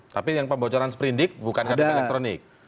tapi yang pembocoran sprindik bukan ktp elektronik